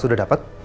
itu udah dapet